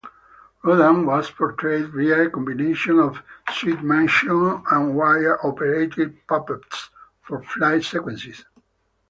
Rodan was portrayed via a combination of suitmation and wire-operated puppets for flight sequences.